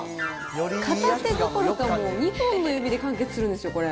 片手どころか２本の指で完結するんですよ、これ。